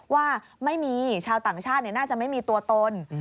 ว่าไม่มีชาวต่างชาติน่าจะไม่มีตัวตน